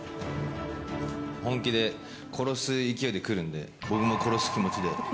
本気で殺す勢いで来るんで、僕も殺す気持ちで。